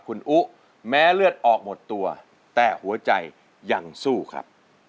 คุณอุ๊แม้เลือดออกหมดตัวแต่หัวใจยังสู้ครับ